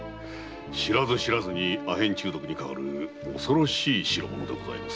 知らず知らずに阿片中毒にかかる恐ろしい代物でございます。